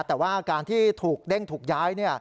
แต่ว่าการที่ถูกเด้งถูกย้าย